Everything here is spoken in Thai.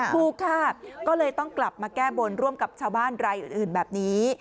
ถูกค่ะก็เลยต้องกลับมาแก้บนร่วมกับชาวบ้านรายอื่นแบบนี้